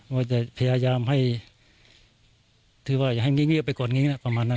ว่าจะพยายามให้คือว่านิขวบไปก่อนนี่แหละประมาณนั้น